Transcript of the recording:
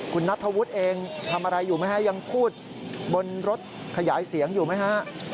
คุณนัทธวุฒิเองทำอะไรอยู่ไหมฮะยังพูดบนรถขยายเสียงอยู่ไหมฮะ